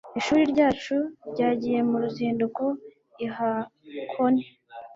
Ishuri ryacu ryagiye mu ruzinduko i Hakone.